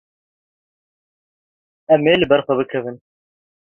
Em ê li ber xwe bikevin.